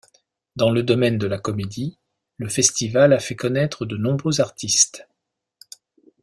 Dans le domaine de la comédie, le festival a fait connaître de nombreux artistes.